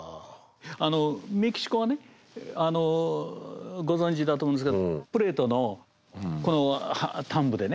あのメキシコはねあのご存じだと思うんですけどプレートのこの端部でね